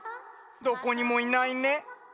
どこにもいないね。